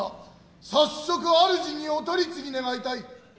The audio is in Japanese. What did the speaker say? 早速主にお取り次ぎ願いたい。